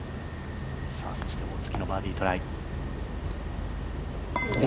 そして大槻のバーディートライ。